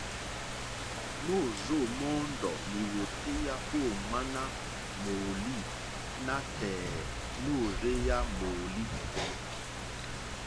Môrzô mɔ́ɔ́ndɔ̀ lìwòtéyá ô ŋwáɲá mòòlî nátɛ̀ɛ̀ nôrzéyá mòòlí.